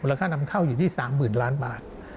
ค่านำเข้าอยู่ที่๓๐๐๐ล้านบาท